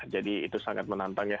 jadi itu sangat menantang ya